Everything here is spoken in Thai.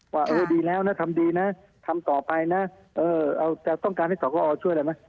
ว่าดีแล้วนะทำดีนะทำต่อไปนะเราจะต้องการให้สกอช่วยอะไรไหม